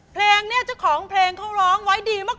เพลงนี้เจ้าของเพลงเขาร้องไว้ดีมาก